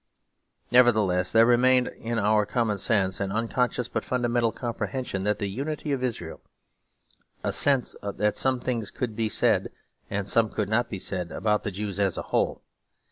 Nevertheless there remained in our common sense an unconscious but fundamental comprehension of the unity of Israel; a sense that some things could be said, and some could not be said, about the Jews as a whole.